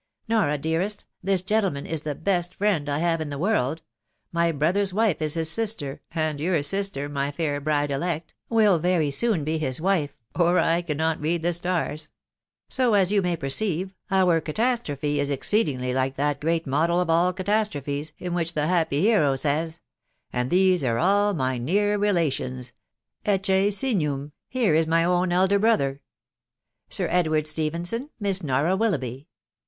Nora, dearest, this gentleman is the best friend I have in the world — my brother's wife is his sister ; and your sister, my fair bride elect, will very soon be his wife, or I cannot read the stars .... so, as you may perceive, our catastrophe is exceedingly like that great model of all catas trophes, in which the happy hero says .... e And these are all my near relations — ecce mgnum, here is my own elder brother .... Sir Edward Stephenson, Miss Nora Willoughby.